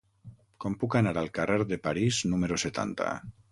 Com puc anar al carrer de París número setanta?